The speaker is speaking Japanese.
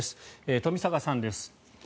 冨坂さんです。